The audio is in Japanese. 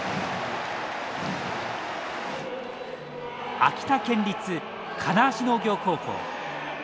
秋田県立金足農業高校。